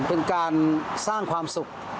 เป็นการสร้างความสุข